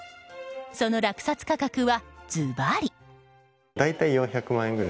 その落札価格は、ずばり。